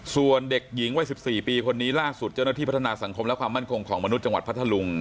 ส่วนเด็กหญิงวัย๑๔ปีคนนี้ล่าสุดเจ้าหน้าที่พัฒนาสังคมและความมั่นคงของมนุษย์จังหวัดพัทธลุง